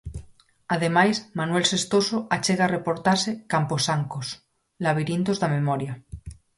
Ademais, Manuel Xestoso achega a reportaxe Camposancos, labirintos da memoria.